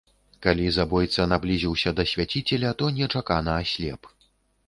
Калі забойца наблізіўся да свяціцеля, то нечакана аслеп.